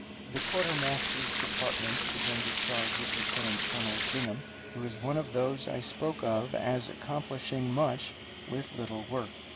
The quartermaster's department is under charge of Lieutenant Colonel Bingham, who is one of those I spoke of as accomplishing much with little work.